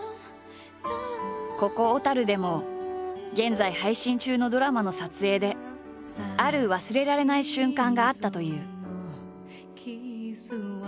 ここ小でも現在配信中のドラマの撮影である忘れられない瞬間があったという。